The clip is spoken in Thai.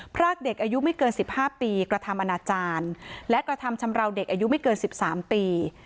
พรากเด็กอายุไม่เกิน๑๕ปีกระทำอนาจารย์และกระทำชำราวเด็กอายุไม่เกิน๑๓ปี